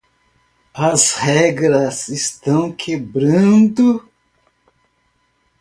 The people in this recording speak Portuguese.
As regras estão quebrando.